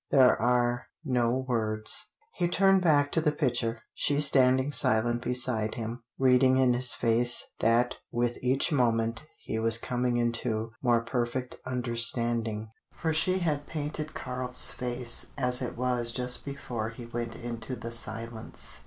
There are no words." He turned back to the picture, she standing silent beside him, reading in his face that with each moment he was coming into more perfect understanding. For she had painted Karl's face as it was just before he went into the silence.